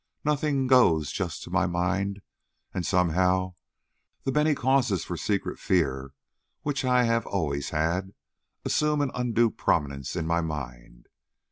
Nothing goes just to my mind, and somehow the many causes for secret fear which I have always had, assume an undue prominence in my mind.